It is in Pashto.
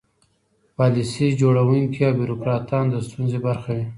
پالیسي جوړوونکي او بیروکراټان د ستونزې برخه وي.